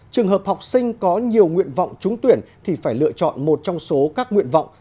trường hợp học sinh có nhiều nguyện vọng trúng tuyển thì phải lựa chọn một trong số các nguyện vọng